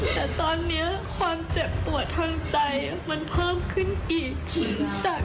แต่ตอนนี้ความเจ็บปวดทางใจมันเพิ่มขึ้นอีกถึงจัด